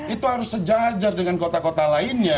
itu harus sejajar dengan kota kota lainnya